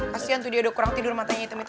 kasian tuh dia udah kurang tidur matanya hitam itu